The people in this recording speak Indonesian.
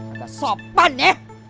agak sopan ya